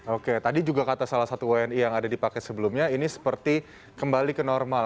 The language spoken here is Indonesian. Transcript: oke tadi juga kata salah satu wni yang ada di paket sebelumnya ini seperti kembali ke normal